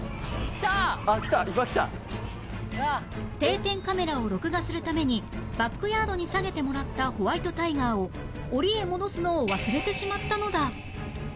定点カメラを録画するためにバックヤードに下げてもらったホワイトタイガーを檻へ戻すのを忘れてしまったのだ